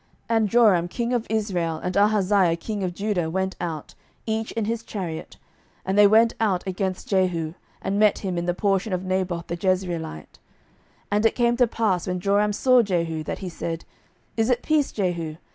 And Joram king of Israel and Ahaziah king of Judah went out, each in his chariot, and they went out against Jehu, and met him in the portion of Naboth the Jezreelite. 12:009:022 And it came to pass, when Joram saw Jehu, that he said, Is it peace, Jehu?